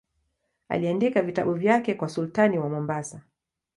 Aliandika vitabu vyake kwa sultani wa Mombasa.